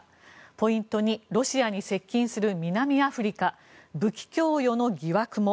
ポイント２ロシアに接近する南アフリカ武器供与の疑惑も。